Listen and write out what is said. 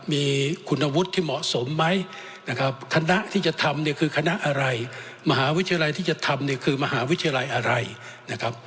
มีคุณวุฒิที่เหมาะสมไหมนะครับคณะที่จะทำเนี่ยคือคณะอะไรมหาวิทยาลัยที่จะทำเนี่ยคือมหาวิทยาลัยอะไรนะครับ